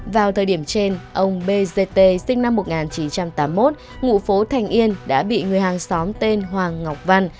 vào thời điểm trên ông bgt sinh năm một nghìn chín trăm tám mươi một ngụ phố thành yên đã bị người hàng xóm tên hoàng ngọc văn